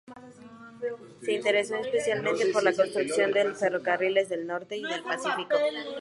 Se interesó especialmente por la construcción de los Ferrocarriles del Norte y del Pacífico.